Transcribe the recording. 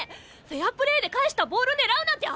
フェアプレーで返したボール狙うなんてあり！？